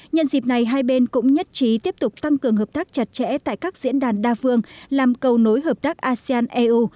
nhân dịp này hai bên cũng nhất trí tiếp tục tăng cường hợp tác chặt chẽ tại các diễn đàn đa phương làm cầu nối hợp tác asean eu